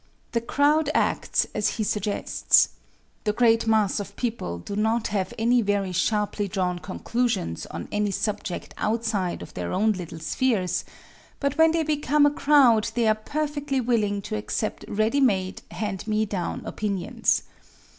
The crowd acts as he suggests. The great mass of people do not have any very sharply drawn conclusions on any subject outside of their own little spheres, but when they become a crowd they are perfectly willing to accept ready made, hand me down opinions.